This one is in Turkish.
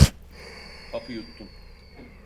Hapı yuttum.